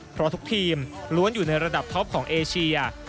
เพราะทุกทีมล้วนอยู่ในระดับท็อปของเอเชีย